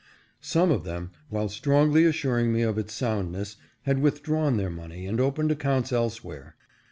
Some of them, while strongly assuring me of its soundness, had with drawn their money and opened accounts elsewhere.